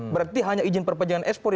berarti hanya izin perpanjangan ekspor